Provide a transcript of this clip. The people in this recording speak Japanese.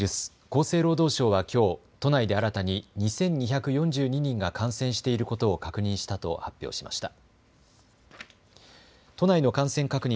厚生労働省はきょう都内で新たに２２４２人が感染していることを確認したと発表しました。